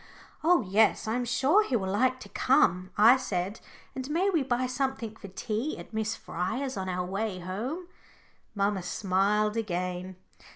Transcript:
"Oh yes, I am sure he will like to come," I said. "And may we buy something for tea at Miss Fryer's on our way home?" Mamma smiled again.